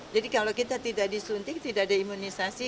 jadi kalau kita tidak disuntik tidak ada imunisasi